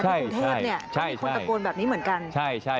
ใช่ที่กรุงเทพฯมีคนตะโกนแบบนี้เหมือนกันใช่